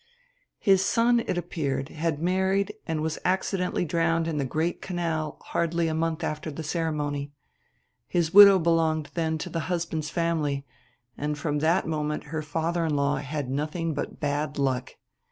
"His son, it appeared, had married and was accidentally drowned in the Great Canal hardly a month after the ceremony. His widow belonged, then, to the husband's family, and from that moment her father in law had had nothing but bad luck.